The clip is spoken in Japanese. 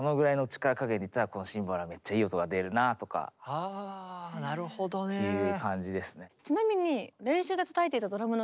あなるほどね。という感じですね。